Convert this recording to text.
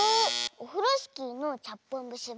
「オフロスキーのちゃっぽんぶし」は。